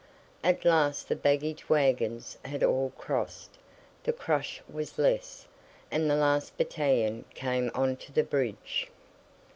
At last the baggage wagons had all crossed, the crush was less, and the last battalion came onto the bridge.